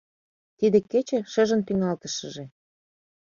Тиде кече — шыжын тӱҥалтышыже.